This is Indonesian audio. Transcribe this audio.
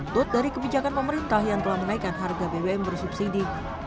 tut dari kebijakan pemerintah yang telah menaikkan harga bbm bersubsidi